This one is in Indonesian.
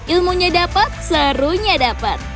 ilmunya dapat serunya dapat